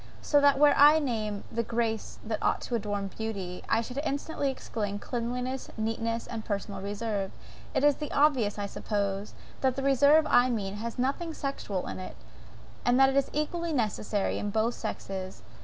So that were I to name the graces that ought to adorn beauty, I should instantly exclaim, cleanliness, neatness, and personal reserve. It is obvious, I suppose, that the reserve I mean, has nothing sexual in it, and that I think it EQUALLY necessary in both sexes.